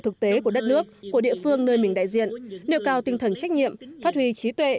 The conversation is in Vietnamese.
thực tế của đất nước của địa phương nơi mình đại diện nêu cao tinh thần trách nhiệm phát huy trí tuệ